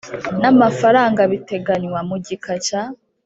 n amafaranga biteganywa mu gika cya